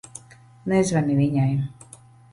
Nezvani viņai.